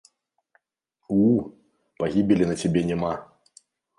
У, пагібелі на цябе няма.